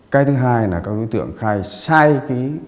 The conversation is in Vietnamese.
cái thứ hai là các đối tượng khai sai